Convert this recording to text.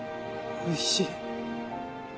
おいしい。